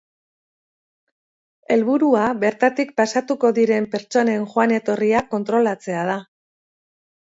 Helburua, bertatik pasatuko diren pertsonen joan-etorria kontrolatzea da.